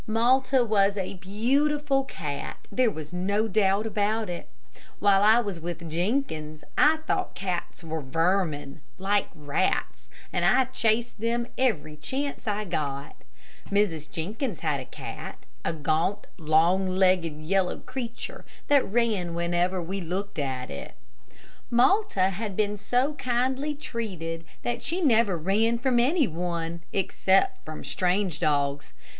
Malta was a beautiful cat there was no doubt about it. While I was with Jenkins I thought cats were vermin, like rats, and I chased them every chance I got. Mrs, Jenkins had a cat, a gaunt, long legged, yellow creature, that ran whenever we looked at it. Malta had been so kindly treated that she never ran from any one, except from strange dogs.